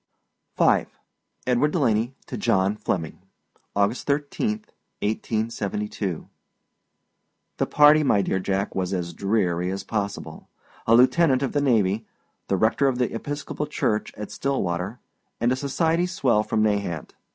V. EDWARD DELANEY TO JOHN FLEMMING. August 13, 1872. The party, my dear Jack, was as dreary as possible. A lieutenant of the navy, the rector of the Episcopal Church at Stillwater, and a society swell from Nahant.